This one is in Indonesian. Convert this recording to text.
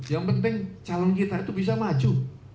yang penting calon kita itu bisa maju